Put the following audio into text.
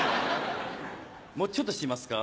もうちょっとしますか？